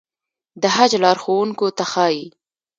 د حج لارښوونکو ته ښايي.